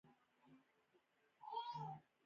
آیا دوی ته ځمکه ورکول کیږي؟